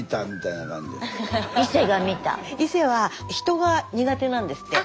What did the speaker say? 「いせ」は人が苦手なんですって。